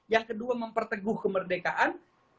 yang kedua memperteguh kemerdekaan